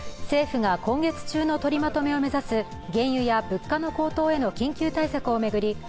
政府が今月中の取りまとめを目指す原油や物価の高騰への緊急対策を巡り